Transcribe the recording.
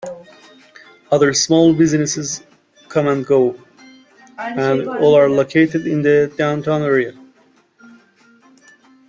Other small businesses come and go, and all are located in the downtown area.